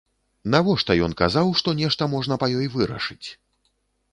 Навошта ён казаў, што нешта можна па ёй вырашыць?